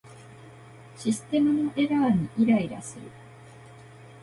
システムのエラーにイライラする